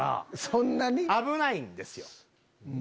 そんなに⁉危ないんですよ。